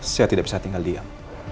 saya tidak bisa tinggal diam